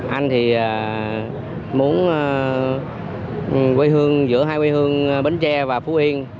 anh thì muốn quây hương giữa hai quây hương bến tre và phú yên